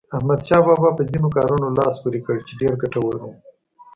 احمدشاه بابا په ځینو کارونو لاس پورې کړ چې ډېر ګټور وو.